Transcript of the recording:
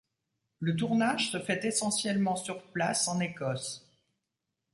Le tournage se fait essentiellement sur place en Écosse.